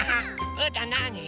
うーたんなあに？